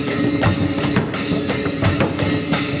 สวัสดีสวัสดี